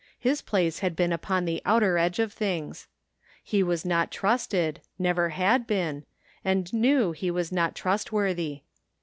His place had been upon the outer edge of things. He was not trusted — ^never had been — ^and knew he was not trustworthy.